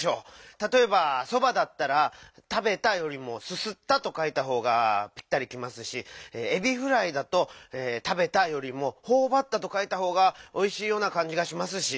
たとえば「そば」だったら「たべた」よりも「すすった」とかいたほうがピッタリきますし「エビフライ」だと「たべた」よりも「ほおばった」とかいたほうがおいしいようなかんじがしますし。